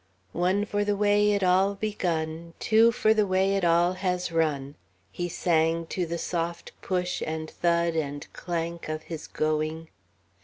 "One for the way it all begun, Two for the way it all has run...." he sang to the soft push and thud and clank of his going.